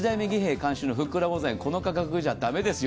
監修のふっくら御膳、この価格じゃだめですよ